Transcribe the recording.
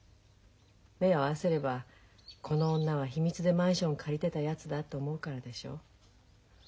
目を合わせれば「この女は秘密でマンション借りてたやつだ」って思うからでしょう。